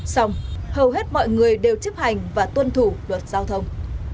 xong hầu hết mọi người đều chấp hành và tuân thủ luật giao thông